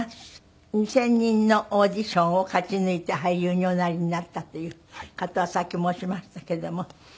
２０００人のオーディションを勝ち抜いて俳優におなりになったっていう事はさっき申しましたけども。